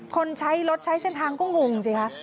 คนใช้รถใช้เส้นทางก็งงสิคะ